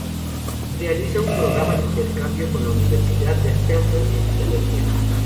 Realiza un programa de intercambio con la Universidad de Temple en Filadelfia.